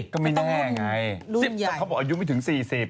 ก็ไม่แน่ไงเขาบอกอายุไม่ถึง๔๐